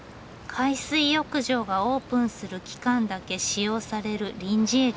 海水浴場がオープンする期間だけ使用される臨時駅。